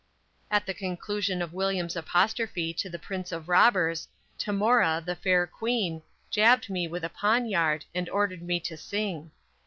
At the conclusion of William's apostrophe to the prince of robbers, Tamora, the fair queen, jabbed me with a poniard and ordered me to sing.